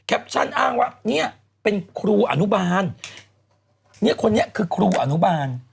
อ้างว่าเนี่ยเป็นครูอนุบาลเนี่ยคนนี้คือครูอนุบาล